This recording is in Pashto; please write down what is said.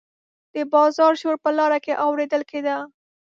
د بازار شور په لاره کې اوریدل کیده.